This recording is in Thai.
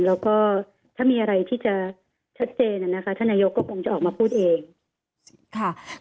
แล้วก็ถ้ามีอะไรที่จะชัดเจนนะคะท่านนายกก็คงจะออกมาพูดเองค่ะ